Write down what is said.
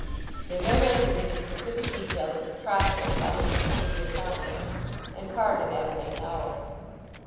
They then entered into specific details of the process by which this would be accomplished, and parted at a late hour.